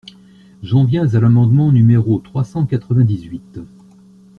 J’en viens à l’amendement numéro trois cent quatre-vingt-dix-huit.